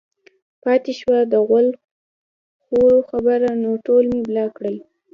پاتې شوه د غول خورو خبره نو ټول مې بلاک کړل